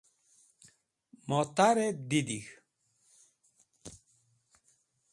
Mutar e didig̃h.